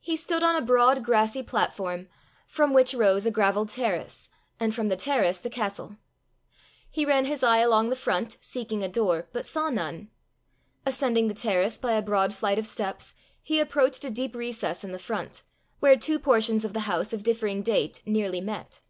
He stood on a broad grassy platform, from which rose a gravelled terrace, and from the terrace the castle. He ran his eye along the front seeking a door but saw none. Ascending the terrace by a broad flight of steps, he approached a deep recess in the front, where two portions of the house of differing date nearly met.